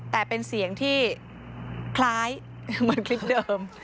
แต่เป็นเสียงที่คล้ายเหมือนคลิปเดิม